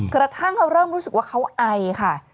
กระทั่งเขาเริ่มรู้สึกว่าเขาไอค่ะ